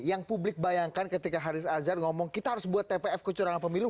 yang publik bayangkan ketika haris azhar ngomong kita harus buat tpf kecurangan pemilu